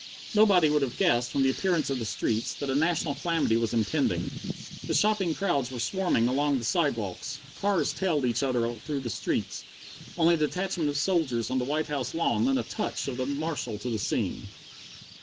Nobody would have guessed, from the appearance of the streets, that a national calamity was impending. The shopping crowds were swarming along the sidewalks, cars tailed each other through the streets; only a detachment of soldiers on the White House lawn lent a touch of the martial to the scene.